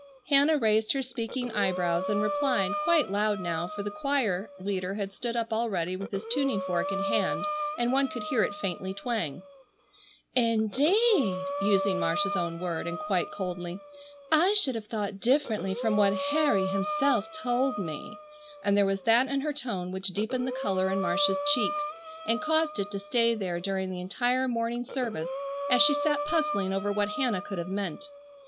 Hannah raised her speaking eyebrows and replied, quite loud now, for the choir leader had stood up already with his tuning fork in hand, and one could hear it faintly twang: "Indeed!"—using Marcia's own word—and quite coldly, "I should have thought differently from what Harry himself told me," and there was that in her tone which deepened the color in Marcia's cheeks and caused it to stay there during the entire morning service as she sat puzzling over what Hannah could have meant.